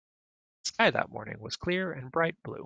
The sky that morning was clear and bright blue.